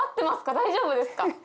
大丈夫ですか？